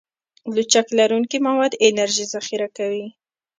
لچک لرونکي مواد انرژي ذخیره کوي.